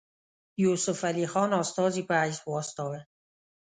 یوسف علي خان استازي په حیث واستاوه.